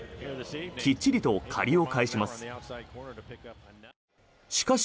きっちりと借りを返します。